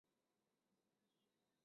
豪达是荷兰南荷兰省的一座市镇。